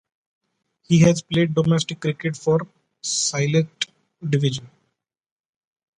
He has played domestic cricket for Sylhet Division.